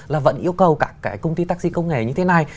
là vẫn yêu cầu các cái công ty taxi công nghề như thế này